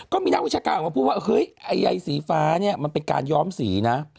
ก็มีนักวิชาการออกมาพูดว่าเฮ้ยไอ้ใยสีฟ้าเนี่ยมันเป็นการย้อมสีนะ